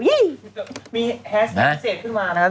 มีแฮสแท็กพิเศษขึ้นมานะครับ